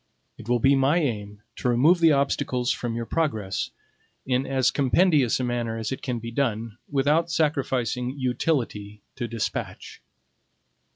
It will be my aim to remove the obstacles from your progress in as compendious a manner as it can be done, without sacrificing utility to despatch.